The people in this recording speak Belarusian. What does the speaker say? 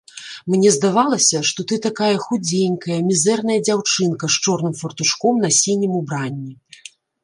Мне здавалася, што ты такая худзенькая, мізэрная дзяўчынка з чорным фартушком на сінім убранні.